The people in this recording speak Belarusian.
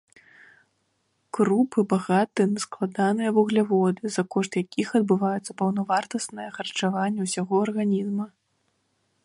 Крупы багаты на складаныя вугляводы, за кошт якіх адбываецца паўнавартаснае харчаванне ўсяго арганізма.